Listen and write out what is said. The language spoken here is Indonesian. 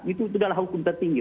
itu adalah hukum tertinggi